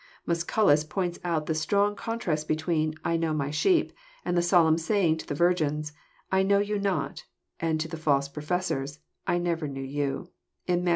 Musculus points out the strong contrast between ^' I know my sheep," and the solemn saying to the virgins, "I know you not," and to the false professors, I never knew you," in Matt.